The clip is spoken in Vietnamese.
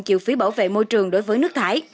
chịu phí bảo vệ môi trường đối với nước thải